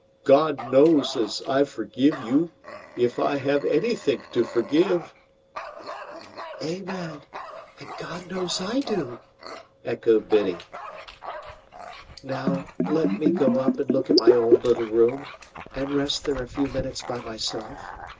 "God knows as I forgive you, if I have anythink to forgive!" "Amen! And God knows I do!" echoed Biddy. "Now let me go up and look at my old little room, and rest there a few minutes by myself.